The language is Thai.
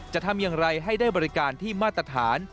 จะทำอย่างไรให้ได้บริการที่มาตรฐาน